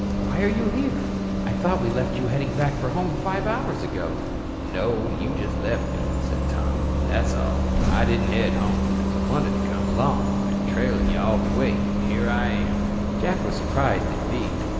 Why are you here? I thought we left you heading back for home five hours ago?" "No, you just left me," said Tom. "That's all. I didn't head home, because I wanted to come along. Been a trailin' you all the way. And here I am." Jack was surprised, indeed.